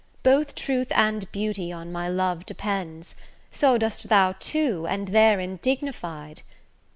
Both truth and beauty on my love depends; So dost thou too, and therein dignified.